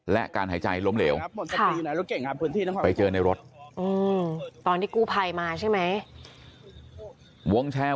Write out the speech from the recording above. และการหายใจล้มเหลวไปเจอในรถตอนที่กูภัยมาใช่ไหมวงแชร์